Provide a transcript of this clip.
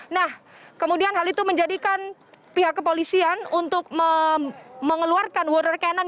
nah kemudian hal itu menjadikan pihak kepolisian untuk mengeluarkan water cannon